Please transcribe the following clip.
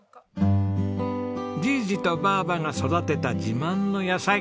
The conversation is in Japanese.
じいじとばあばが育てた自慢の野菜。